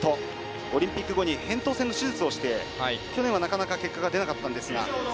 オリンピック後にへんとう腺の手術をして去年はなかなか結果が出なかったんですが。